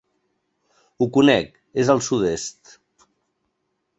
Ho conec, és al sud-est.